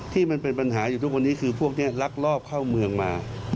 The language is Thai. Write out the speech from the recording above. ที่มันเป็นปัญหาอยู่ทุกวันนี้คือพวกนี้ลักลอบเข้าเมืองมา